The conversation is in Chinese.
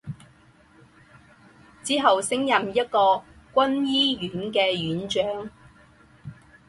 之后升任一个军医院的院长。